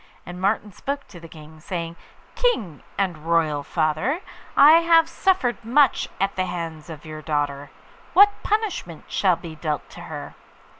And Martin spoke to the King, saying, 'King and royal father, I have suffered much at the hands of your daughter. What punishment shall be dealt to her?